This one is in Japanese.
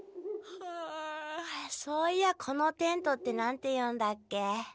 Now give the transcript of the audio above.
ふあそういやこのテントって何て言うんだっけ？